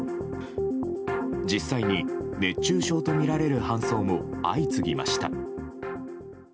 実際に熱中症とみられる搬送も相次ぎました。